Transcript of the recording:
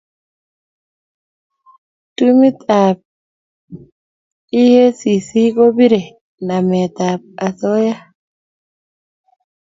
Tumeit ab eacc ko borie namet ab asoya